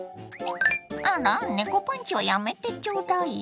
あら猫パンチはやめてちょうだいよ。